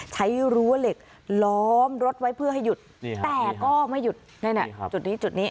ใช้รั้วเหล็กร้อมรถไว้เพื่อให้หยุดแต่ก็ไม่หยุดได้นะจุดนี้